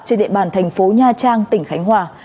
trên địa bàn thành phố nha trang tỉnh khánh hòa